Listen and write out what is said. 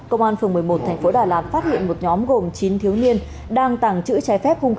công an phường một mươi một thành phố đà lạt phát hiện một nhóm gồm chín thiếu niên đang tàng trữ trái phép hung